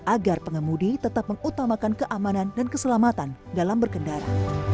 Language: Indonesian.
agar pengemudi tetap mengutamakan keamanan dan keselamatan dalam berkendara